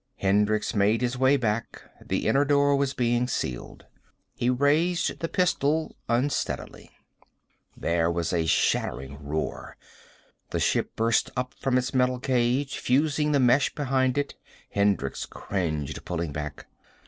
Hendricks made his way back. The inner door was being sealed. He raised the pistol unsteadily. There was a shattering roar. The ship burst up from its metal cage, fusing the mesh behind it. Hendricks cringed, pulling back.